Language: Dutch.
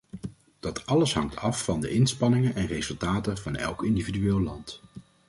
Dat alles hangt af van de inspanningen en resultaten van elk individueel land.